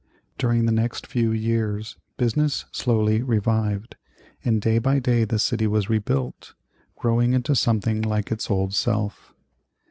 During the next few years business slowly revived, and day by day the city was rebuilt, growing into something like its old self.